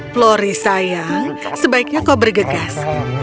flori sayang sebaiknya kau bergegas